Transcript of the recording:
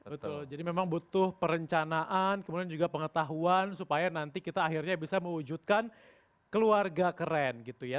betul jadi memang butuh perencanaan kemudian juga pengetahuan supaya nanti kita akhirnya bisa mewujudkan keluarga keren gitu ya